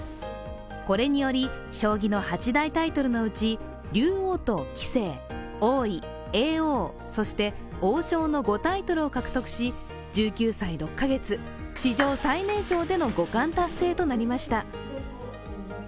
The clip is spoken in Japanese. これにより、将棋の８大タイトルのうち竜王と棋聖、王位、叡王、そして王将の５タイトルを獲得し、１９歳６カ月、史上最年少での五冠達成となりました。